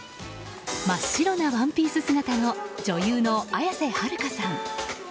真っ白なワンピース姿の女優の綾瀬はるかさん。